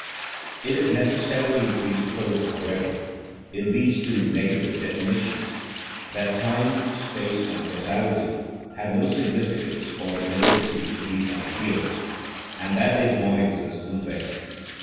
(It is necessarily presupposed, however, in these two negative definitions, that time, space, and causality have no significance or validity for these Ideas, and that they do not exist in them.)